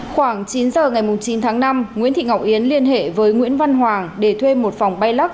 khoảng chín giờ ngày chín tháng năm nguyễn thị ngọc yến liên hệ với nguyễn văn hoàng để thuê một phòng bay lắc